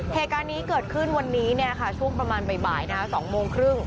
เหตุการณ์นี้เกิดขึ้นวันนี้เนี่ยค่ะช่วงประมาณบ่ายบ่ายนะคะสองโมงครึ่ง